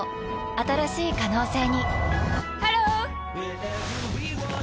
新しい可能性にハロー！